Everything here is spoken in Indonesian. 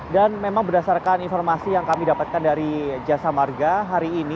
dan memang berdasarkan informasi yang kami dapatkan dari jasa marga hari ini